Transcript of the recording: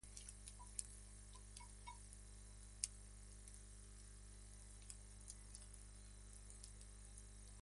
En general, el cociente entre dos magnitudes extensivas da como resultado una magnitud intensiva.